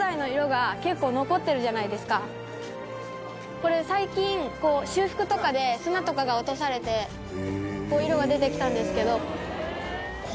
これ最近修復とかで砂とかが落とされて色が出てきたんですけど。